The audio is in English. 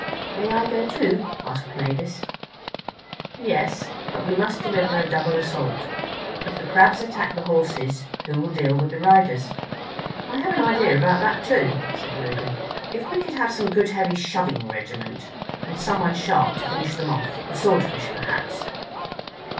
"May I go, too?" asked Mavis. "Yes. But we must deliver a double assault. If the Crabs attack the Horses, who will deal with the riders?" "I have an idea about that, too," said Reuben. "If we could have some good heavy shoving regiment—and someone sharp to finish them off. The Swordfish, perhaps?"